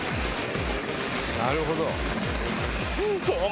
なるほど！